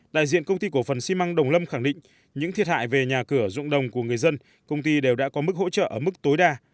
đại diện công ty cổ phần xi măng đồng lâm khẳng định những thiệt hại về nhà cửa rụng đồng của người dân công ty đều đã có mức hỗ trợ ở mức tối đa